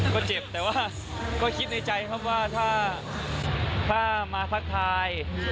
ก็เจ็บแต่ว่าก็คิดในใจครับว่าถ้ามาทักทาย